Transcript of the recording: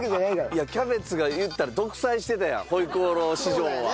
いやキャベツが言ったら独裁してたやん回鍋肉市場は。